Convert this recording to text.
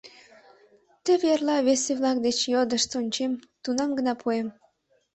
Теве эрла весе-влак деч йодышт ончем, тунам гына пуэм.